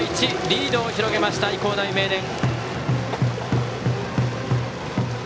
リードを広げました愛工大名電。